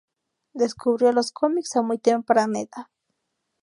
Descubrió los cómics a muy temprana edad.